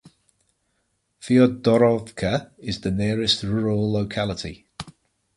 Fyodorovka is the nearest rural locality.